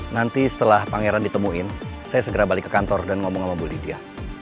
nanti setelah pangeran ditemuin saya segera balik ke kantor dan ngomong sama bu lidia